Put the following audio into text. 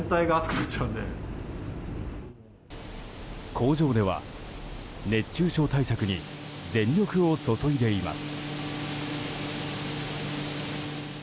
工場では、熱中症対策に全力を注いでいます。